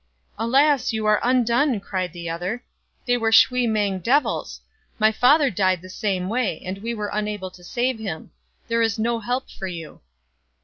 " Alas ! you are undone," cried the other ;" they were shui mang devils. My father died in the same way, and we were unable to save him. There is no help for you."